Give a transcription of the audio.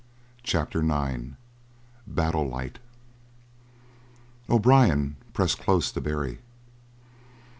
CHAPTER IX BATTLE LIGHT O'Brien pressed close to Barry.